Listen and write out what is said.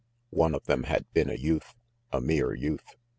One of them had been a youth, a mere youth.